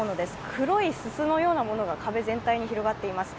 黒いすすのようなものが壁全体にあります。